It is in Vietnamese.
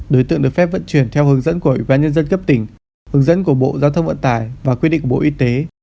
đối tượng được phép vận chuyển theo hướng dẫn của ủy ban nhân dân cấp tỉnh hướng dẫn của bộ giao thông vận tải và quyết định của bộ y tế